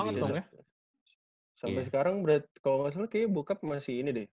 sampai sekarang berarti kalo gak salah kayaknya bokap masih ini deh